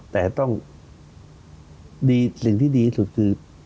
แต่ต้องมีสิ่งที่ดีที่สุดคือ